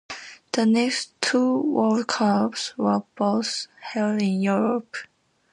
The next two World Cups were both held in Europe.